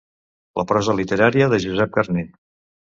La prosa literària de Josep Carner.